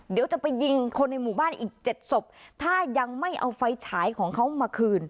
เดี๋ยวจะไปยิงคนในหมู่บ้านอีกเจ็ดศพถ้ายังไม่เอาไฟฉายของเขามาคืน